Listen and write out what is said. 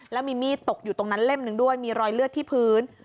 แล้วมีมีดตกอยู่ตรงนั้นเล่มหนึ่งด้วยมีรอยเลือดที่พื้น